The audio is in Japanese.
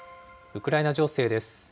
ウクライナ情勢です。